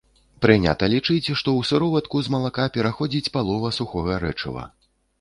Прынята лічыць, што ў сыроватку з малака пераходзіць палова сухога рэчыва.